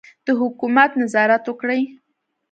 د حکومت نظارت وکړي.